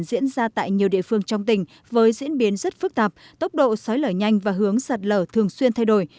diễn ra tại nhiều địa phương trong tỉnh với diễn biến rất phức tạp tốc độ xói lở nhanh và hướng sạt lở thường xuyên thay đổi